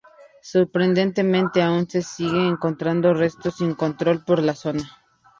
Sorprendentemente aún se siguen encontrando restos sin control por la zona.